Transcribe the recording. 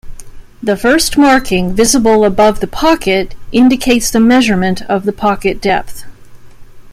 The first marking visible above the pocket indicates the measurement of the pocket depth.